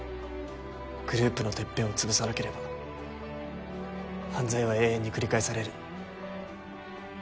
グループのてっぺんを潰さなければ犯罪は永遠に繰り返される。